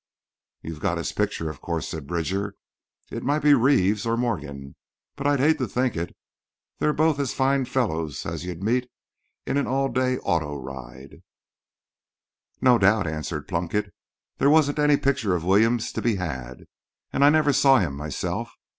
"You've got his picture, of course," said Bridger. "It might be Reeves or Morgan, but I'd hate to think it. They're both as fine fellows as you'd meet in an all day auto ride." "No," doubtfully answered Plunkett; "there wasn't any picture of Williams to be had. And I never saw him myself.